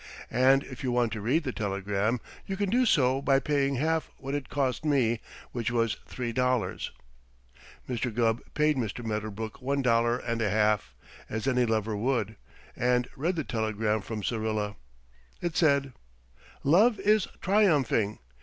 And if you want to read the telegram you can do so by paying half what it cost me, which was three dollars." Mr. Gubb paid Mr. Medderbrook one dollar and a half, as any lover would, and read the telegram from Syrilla. It said: Love is triumphing.